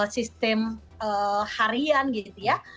sistem harian gitu ya